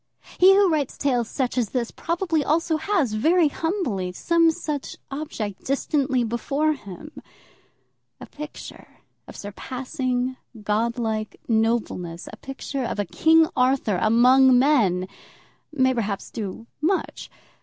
He who writes tales such as this, probably also has, very humbly, some such object distantly before him. A picture of surpassing godlike nobleness, a picture of a King Arthur among men, may perhaps do much.